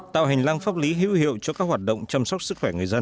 tạo hành lang pháp lý hữu hiệu cho các hoạt động chăm sóc sức khỏe người dân